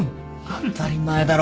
当たり前だろ。